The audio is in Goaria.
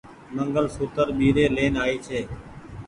منگل سوتر ٻيري لين آئي ڇي۔